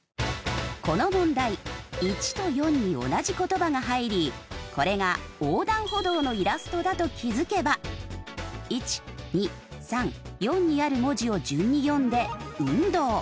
この問題１と４に同じ言葉が入りこれが横断歩道のイラストだと気づけば１２３４にある文字を順に読んで「うんどう」。